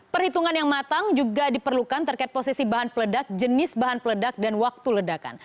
perhitungan yang matang juga diperlukan terkait posisi bahan peledak jenis bahan peledak dan waktu ledakan